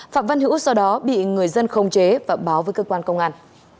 phạm văn hữu sau đó bị người dân không chế và báo với cơ quan công an